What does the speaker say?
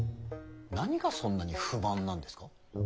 何がそんなに不満なんですか？